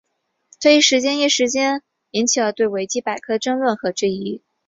这一事件一时间引起了对维基百科的争论和质疑。